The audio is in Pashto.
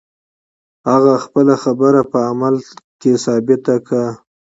هغه خپله خبره په عمل کې ثابته کړه.